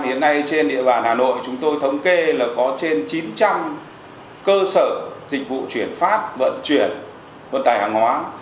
hiện nay trên địa bàn hà nội chúng tôi thống kê là có trên chín trăm linh cơ sở dịch vụ chuyển phát vận chuyển vận tải hàng hóa